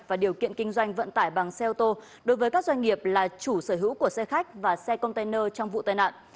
và điều kiện kinh doanh vận tải bằng xe ô tô đối với các doanh nghiệp là chủ sở hữu của xe khách và xe container trong vụ tai nạn